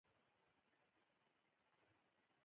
افغانستان کې تالابونه په هنري اثارو کې منعکس کېږي.